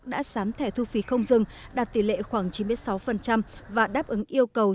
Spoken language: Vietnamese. tổng thống quốc đã sám thẻ thu phí không dừng đạt tỷ lệ khoảng chín mươi sáu và đáp ứng yêu cầu